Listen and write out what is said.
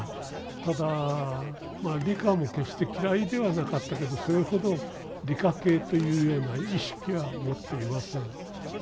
ただまあ理科も決して嫌いではなかったけどそれほど理科系というような意識は持っていません。